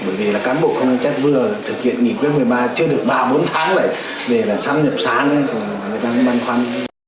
bởi vì là cán bộ không chuyên trách vừa thực hiện nghỉ quyết một mươi ba chưa được ba bốn tháng rồi về lần sáng nhập sáng thì người ta cũng băn khoăn